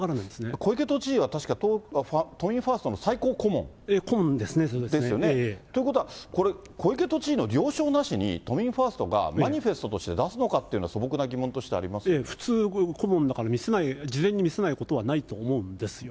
小池都知事は確か都民ファーストの最高顧問？ですよね。ということはこれ、これは小池都知事の了承なしに、都民ファーストがマニフェストとして出すのかっていうのが、素朴普通、顧問だから、見せない、事前に見せないことはないと思うんですよ。